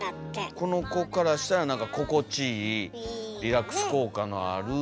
この子からしたらなんか心地いいリラックス効果のある。